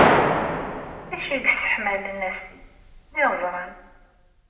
D acu i yesseḥmalen asif, d iɣezran.